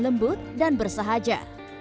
lembut dan bersahaja